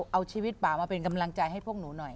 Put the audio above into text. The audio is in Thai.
เอาชีวิตป่ามาเป็นกำลังใจให้พวกหนูหน่อย